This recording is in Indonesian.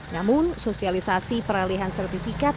namun sosialisasi peralihan sertifikat